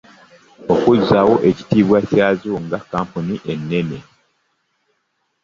Okuzzaawo ekitiibwa kyazo nga kampuni ennene.